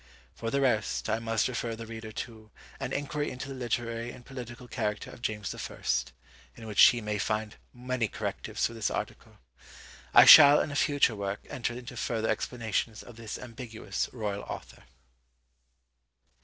For the rest I must refer the reader to "An Inquiry into the Literary and Political Character of James I.;" in which he may find many correctives for this article. I shall in a future work enter into further explanations of this ambiguous royal author.